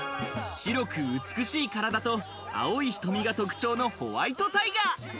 白く美しい体と青い瞳が特徴のホワイトタイガー。